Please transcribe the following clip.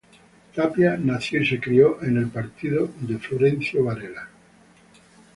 Tapia nació y se crio en el partido de Florencio Varela.